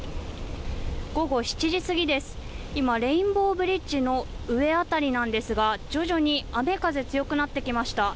午後７時すぎです、今、レインボーブリッジの上辺りなんですが徐々に雨・風強くなってきました。